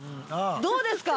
どうですか？